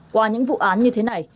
qua những vụ án như thế này